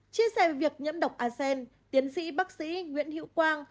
chia sẻ về việc nhiễm độc a sen tiến sĩ bác sĩ nguyễn hữu quang